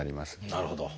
なるほど。